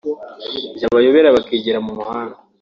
byabayobera bakigira mu muhanda